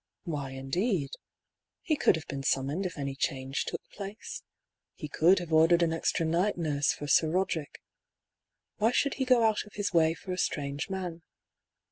Why, indeed ? He could have been summoned if any change took place. He could have ordered an extra night nurse for Sir Eoderick. Why should he go out of his way for a strange man?